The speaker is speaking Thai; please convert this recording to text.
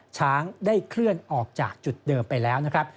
ช้างได้เคลื่อนออกจากจุดเดิมไปแล้วนะครับ